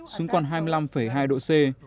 xuống còn hai mươi năm hai độ c